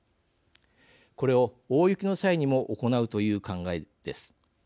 これを大雪の際にも行うという考えです。